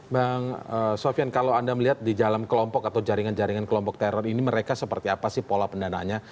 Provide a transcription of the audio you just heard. bang sofian kalau anda melihat di dalam kelompok atau jaringan jaringan kelompok teror ini mereka seperti apa sih pola pendanaannya